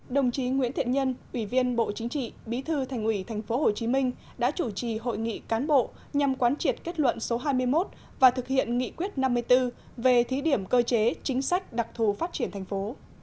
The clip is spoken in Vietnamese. đồng chí nguyễn thiện nhân ủy viên bộ chính trị bí thư thành ủy tp hcm đã chủ trì hội nghị cán bộ nhằm quán triệt kết luận số hai mươi một và thực hiện nghị quyết năm mươi bốn về thí điểm cơ chế chính sách đặc thù phát triển thành phố